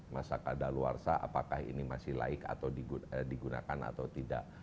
masyarakat dan luar sana apakah ini masih laik atau digunakan atau tidak